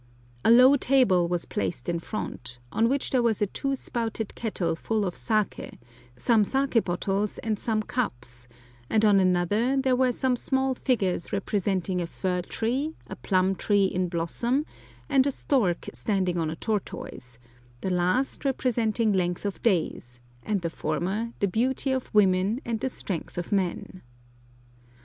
A low table was placed in front, on which there was a two spouted kettle full of saké, some saké bottles, and some cups, and on another there were some small figures representing a fir tree, a plum tree in blossom, and a stork standing on a tortoise, the last representing length of days, and the former the beauty of women and the strength of men.